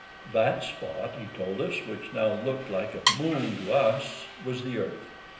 That spot, {83a} he told us, which now looked like a moon to us, was the earth.